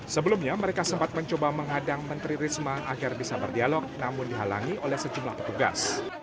sebelumnya mereka sempat mencoba menghadang menteri risma agar bisa berdialog namun dihalangi oleh sejumlah petugas